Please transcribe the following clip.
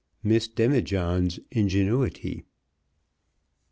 MISS DEMIJOHN'S INGENUITY.